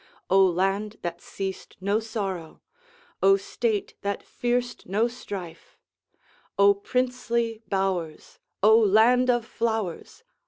O Land that seest no sorrow! O State that fear'st no strife! O princely bowers! O Land of flowers!